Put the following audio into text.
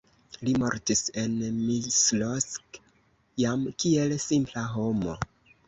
Li mortis en Miskolc jam kiel simpla homo.